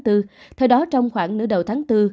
theo đó trong khoảng nửa đầu tháng bốn